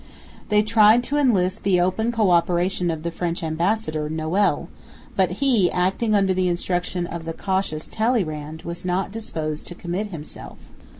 They tried to enlist the open co operation of the French ambassador, Noël, but he, acting under the instruction of the cautious Talleyrand, was not disposed to commit himself.